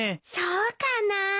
そうかな。